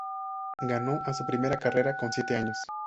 Ganó a su primera carrera con siete años.